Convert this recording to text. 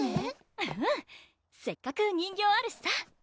うんせっかく人形あるしさ！